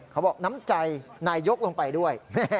เขาบอกน้ำใจนายยกลงไปด้วย